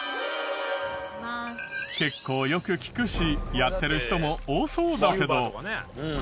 結構よく聞くしやってる人も多そうだけど。